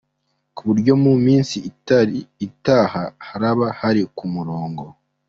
Ku buryo mu minsi itaha haraba hari ku murongo.